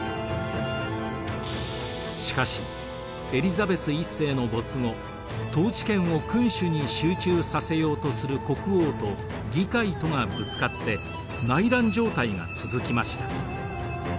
しかしエリザベス１世の没後統治権を君主に集中させようとする国王と議会とがぶつかって内乱状態が続きました。